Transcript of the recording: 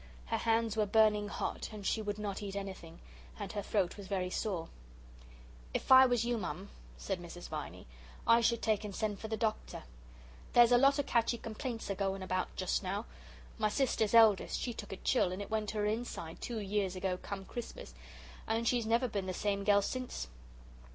Her hands were burning hot, and she would not eat anything, and her throat was very sore. "If I was you, Mum," said Mrs. Viney, "I should take and send for the doctor. There's a lot of catchy complaints a going about just now. My sister's eldest she took a chill and it went to her inside, two years ago come Christmas, and she's never been the same gell since."